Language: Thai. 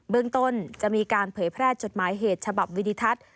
เรื่องต้นจะมีการเผยแพร่จดหมายเหตุฉบับวิดิทัศน์